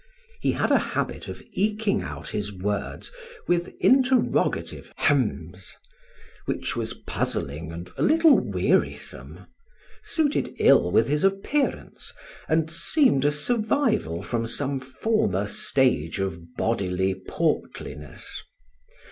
He had a habit of eking out his words with interrogative hems, which was puzzling and a little wearisome, suited ill with his appearance, and seemed a survival from some former stage of bodily portliness.